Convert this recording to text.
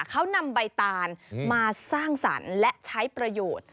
เขานำใบตาลมาสร้างสรรค์และใช้ประโยชน์